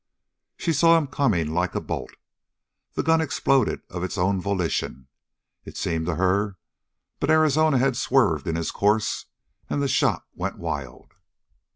She saw him coming like a bolt. The gun exploded of its own volition, it seemed to her, but Arizona had swerved in his course, and the shot went wild.